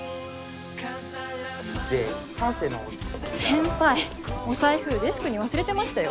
先輩お財布デスクに忘れてましたよ。